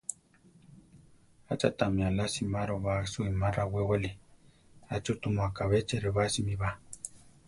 ¿Acha tami alá simároba suíma rawéwali? ¿acha tumu akabé cheʼrebásimi ba?